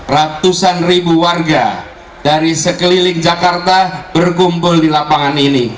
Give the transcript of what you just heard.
ratusan ribu warga dari sekeliling jakarta berkumpul di lapangan ini